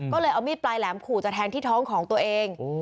ก็เลยเอามีดปลายแหลมขู่จะแทงที่ท้องของตัวเอง